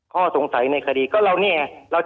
ข้อสงสัยในคดีก็เรานี่ไง